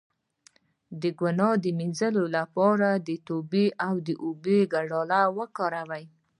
د ګناه د مینځلو لپاره د توبې او اوبو ګډول وکاروئ